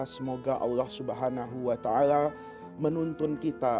semoga allah swt menuntun kita